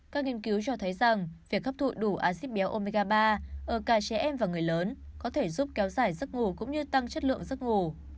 các nghiên cứu cho thấy rằng việc hấp thụ đủ acid béo omiga ba ở cả trẻ em và người lớn có thể giúp kéo dài giấc ngủ cũng như tăng chất lượng giấc ngủ